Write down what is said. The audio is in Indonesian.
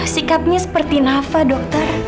sikapnya seperti nafa dokter